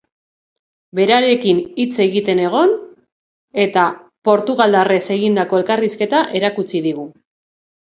Berarekin hitz egiten egon da eta portugaldarrez egindako elkarrizketa erakutsi digu.